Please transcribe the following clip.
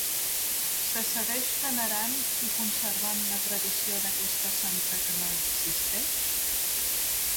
Se segueix venerant i conservant la tradició d'aquesta santa que no existeix?